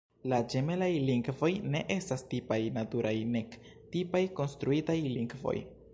La ĝemelaj lingvoj ne estas tipaj naturaj nek tipaj konstruitaj lingvoj.